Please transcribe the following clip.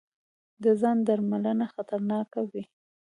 د ځاندرملنه خطرناکه وي.